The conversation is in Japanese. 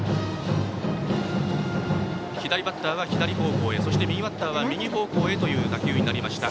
左バッターは左方向へ右バッターは右方向へという打球になりました。